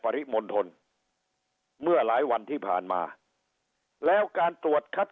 ริมณฑลเมื่อหลายวันที่ผ่านมาแล้วการตรวจคัด